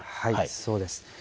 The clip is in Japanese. そうです。